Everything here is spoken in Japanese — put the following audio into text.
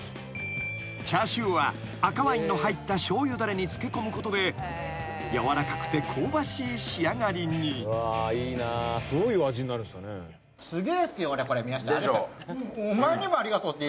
［チャーシューは赤ワインの入ったしょうゆだれに漬け込むことで軟らかくて香ばしい仕上がりに］でしょ。